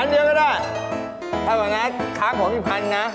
๑๐๐๐เดียวก็ได้ถ้าอย่างนั้นค้างผม๑๐๐๐นะ